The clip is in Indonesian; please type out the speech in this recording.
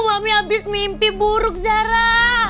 suami habis mimpi buruk zara